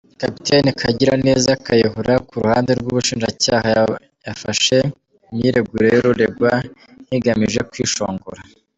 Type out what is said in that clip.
Capitaine Kagiraneza Kayihura ku ruhande rw’ubushinjacyaha yafashe imyiregurire y’uregwa nk’igamije kwishongora.